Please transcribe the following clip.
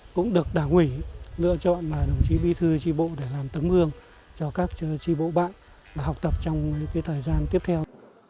cũng được đảng quỷ lựa chọn bí thư tri bộ để làm tấn mương cho các tri bộ bạn học tập trong thời gian tiếp theo